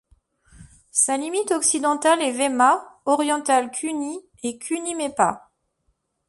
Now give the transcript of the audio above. Sa limite occidentale est Waima, orientale Kuni et Kunimaipa.